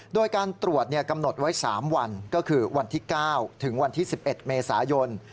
โดยการตรวจกำหนดไว้๓วันก็คือวันที่๙ถึงวันที่๑๑เมษายน